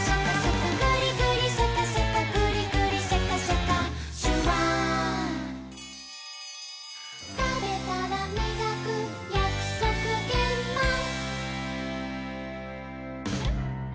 「グリグリシャカシャカグリグリシャカシャカ」「シュワー」「たべたらみがくやくそくげんまん」